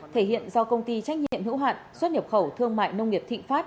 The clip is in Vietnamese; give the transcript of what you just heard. thể hiện do công ty trách nhiệm hữu hạn xuất nhập khẩu thương mại nông nghiệp thịnh pháp